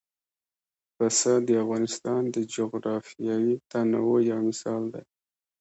پسه د افغانستان د جغرافیوي تنوع یو مثال دی.